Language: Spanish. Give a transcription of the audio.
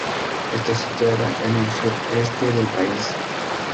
Está situada en el sudeste del país.